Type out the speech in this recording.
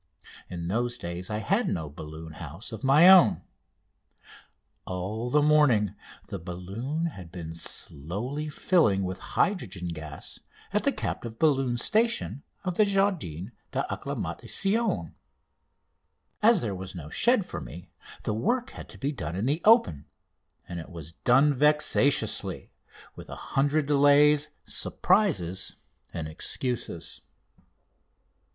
In those days I had no balloon house of my own. All the morning the balloon had been slowly filling with hydrogen gas at the captive balloon station of the Jardin d'Acclimatation. As there was no shed there for me the work had to be done in the open, and it was done vexatiously, with a hundred delays, surprises, and excuses.